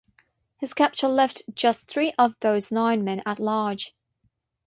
His capture left just three of those nine men at large.